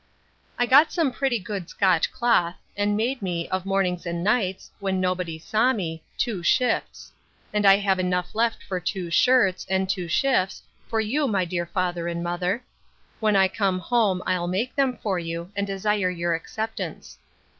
I got some pretty good Scotch cloth, and made me, of mornings and nights, when nobody saw me, two shifts; and I have enough left for two shirts, and two shifts, for you my dear father and mother. When I come home, I'll make them for you, and desire your acceptance.